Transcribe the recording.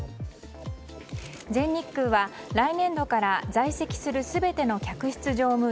全日空は来年度から在籍する全ての客室乗務員